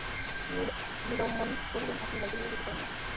বিল্বন কহিলেন, আপনি ভাইকে নির্বাসিত করেন নাই।